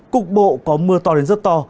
cục bộ có mưa to đến rất to